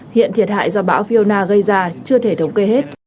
hiện thiệt hại do bão violna gây ra chưa thể thống kê hết